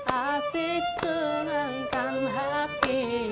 asik senengkan hati